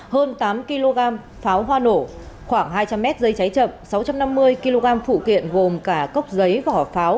hơn tám kg pháo hoa nổ khoảng hai trăm linh mét dây cháy chậm sáu trăm năm mươi kg phụ kiện gồm cả cốc giấy vỏ pháo